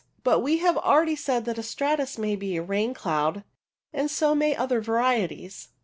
But we have already said that a stratus may be a rain cloud, and so may other varieties.